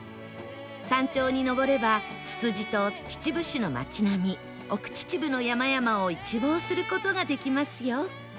山頂に上ればツツジと秩父市の街並み奥秩父の山々を一望する事ができますよ